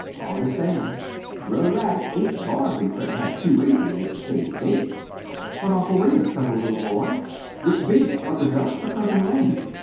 All de same Brer Rabbit aint bargain fer ter have two races de same day." "But, Uncle Remus," said the little boy, "which beat, Brother Dust or Cousin Rain?"